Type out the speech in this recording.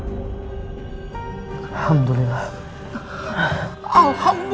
alhamdulillah pipenya sekarang berubah